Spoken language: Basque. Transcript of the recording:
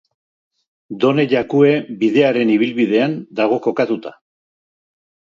Done Jakue Bidearen ibilbidean dago kokatuta.